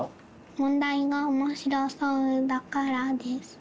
問題がおもしろそうだからです。